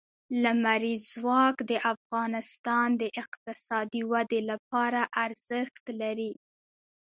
لمریز ځواک د افغانستان د اقتصادي ودې لپاره ارزښت لري.